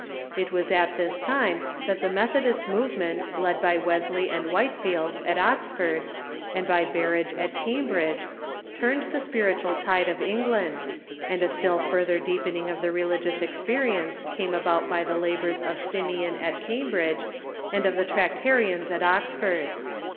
It was at this time that the Methodist movement, led by Wesley and Whitefield at Oxford, and by Berridge at Cambridge, turned the spiritual tide of England, and a still further deepening of the religious experience came about by the labors of Simeon at Cambridge and of the Tractarians at Oxford.